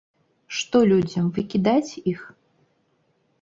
Што людзям, выкідаць іх?